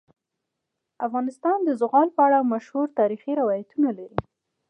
افغانستان د زغال په اړه مشهور تاریخی روایتونه لري.